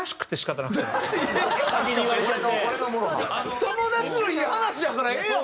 友達のいい話やからええやん。